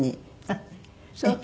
あっそう。